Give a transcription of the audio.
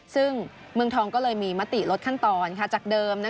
ซึ่งเมืองทองก็เลยมีมติลดขั้นตอนจากเดิม